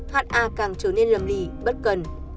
ha càng trở nên lầm lì bất cần